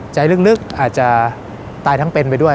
ใจลึกอาจจะตายทั้งเป็นไปด้วย